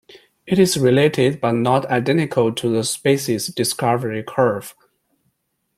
It is related but not identical to the species discovery curve.